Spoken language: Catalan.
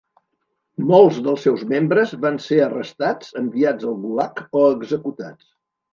Molts dels seus membres van ser arrestats, enviats al Gulag o executats.